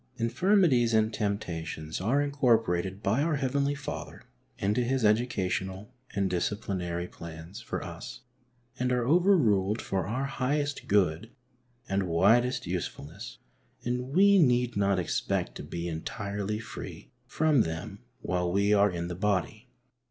23 Infirmities and temptations are incorporated by oui Heavenly Father into His educational and disciplinary plana for us and are overruled for our highest good and widest usefulness, and we need not expect to be entirely free from them while we are in the body.